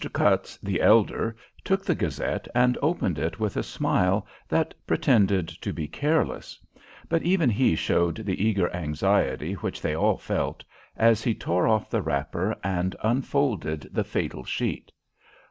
Cutts, the elder, took the "Gazette," and opened it with a smile that pretended to be careless; but even he showed the eager anxiety which they all felt, as he tore off the wrapper and unfolded the fatal sheet.